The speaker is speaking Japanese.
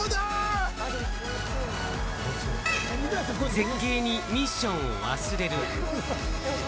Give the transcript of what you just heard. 絶景にミッションを忘れる。